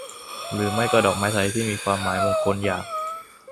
หรือไม่ก็ดอกไม้ไทยที่มีความหมายมงคลอย่าง